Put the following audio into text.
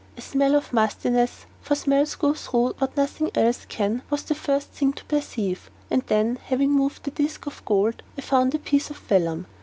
A smell of mustiness for smells go through what nothing else can was the first thing to perceive, and then, having moved the disk of gold, I found a piece of vellum.